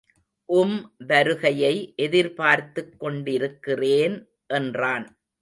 உம் வருகையை எதிர்பார்த்துக் கொண்டிருக்கிறேன் என்றான்.